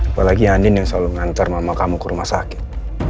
apalagi andin yang selalu ngantar mama kamu ke rumah sakit